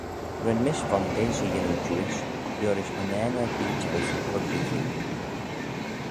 Ren mish vondeish y yannoo jiuish liorish unnane erbee jeusyn hug mee hiu?